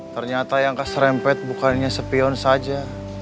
ternyata yang keserempet bukannya sepion saja